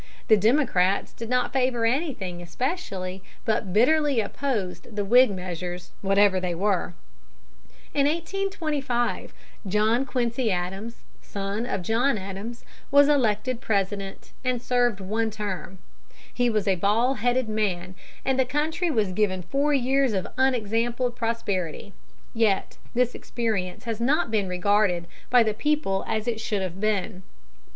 The Democrats did not favor anything especially, but bitterly opposed the Whig measures, whatever they were. In 1825, John Quincy Adams, son of John Adams, was elected President, and served one term. He was a bald headed man, and the country was given four years of unexampled prosperity. Yet this experience has not been regarded by the people as it should have been.